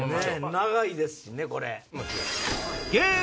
長いですしねこれ。